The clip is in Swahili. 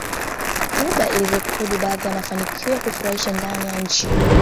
Cuba ilirekodi baadhi ya mafanikio ya kufurahisha ndani ya nchi